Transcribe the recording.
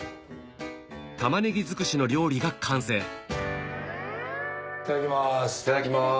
玉ねぎ尽くしの料理が完成いただきます。